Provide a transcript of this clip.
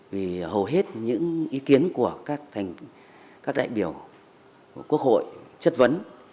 vì hầu hết những ý kiến của các đại biểu quốc hội chất vấn